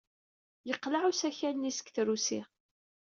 Yeqleɛ usakal-nni seg trusi.